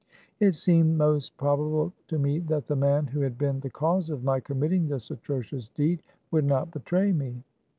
It seemed most probable to me that the man who had been the cause of my committing this atrocious deed would not betray me.